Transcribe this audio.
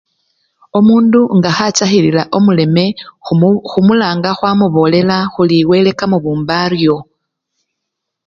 Omundu nga khachakhilila omuleme, khumu! khumulanga khwamubolela khuli wele kamubumba aryo.